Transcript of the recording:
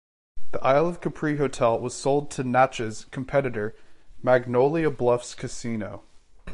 The Isle of Capri hotel was sold to Natchez competitor Magnolia Bluffs Casino.